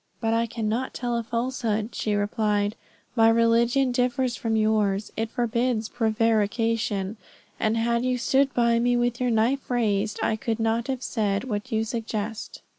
"But I cannot tell a falsehood," she replied; "my religion differs from yours; it forbids prevarication, and had you stood by me with your knife raised, I could not have said what you suggest."